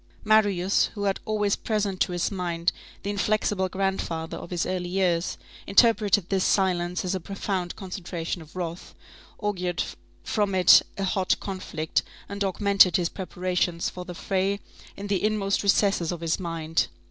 Marius, who had always present to his mind the inflexible grandfather of his early years, interpreted this silence as a profound concentration of wrath, augured from it a hot conflict, and augmented his preparations for the fray in the inmost recesses of his mind.